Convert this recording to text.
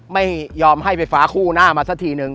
ไม่ยอมให้ไฟฟ้าคู่หน้ามาสักทีนึง